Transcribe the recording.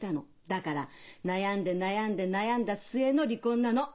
だから悩んで悩んで悩んだ末の離婚なの！